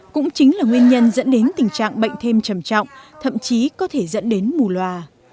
cũng chính là nguyên nhân dẫn đến tình trạng bệnh thêm trầm trọng thậm chí có thể dẫn đến mù loà